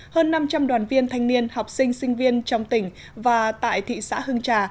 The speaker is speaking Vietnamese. hơn năm trăm linh đoàn viên thanh niên học sinh sinh viên trong tỉnh và tại thị xã hương trà